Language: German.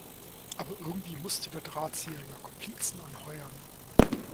Aber irgendwie musste der Drahtzieher ja Komplizen anheuern.